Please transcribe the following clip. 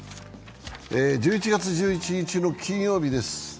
１１月１１日の金曜日です。